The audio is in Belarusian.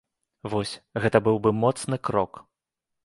Вось, гэта быў бы моцны крок!